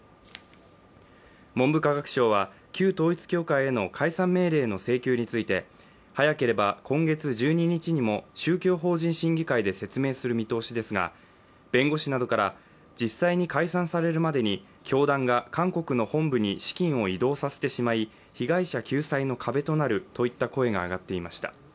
文部科学省は旧統一教会への解散命令の請求について、早ければ今月１２日にも宗教法人審議会で説明する見通しですが、弁護士などから実際に解散されるまでに教団が韓国の本部に資金を移動させてしまい被害者救済の壁となるといった声が上がっていました。